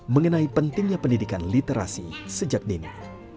mengenai pentingnya pendidikan literasi sejak dini